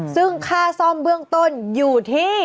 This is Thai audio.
ซึ่งค่าซ่อมเบื้องต้นอยู่ที่